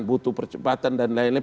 butuh percepatan dan lain lain